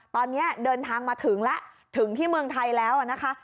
ตอนนี้เดินทางมาถึงแล้วถึงที่เมืองไทยแล้วนะคะ